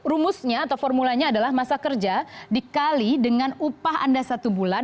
rumusnya atau formulanya adalah masa kerja dikali dengan upah anda satu bulan